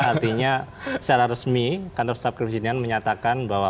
artinya secara resmi kantor staf kepresidenan menyatakan bahwa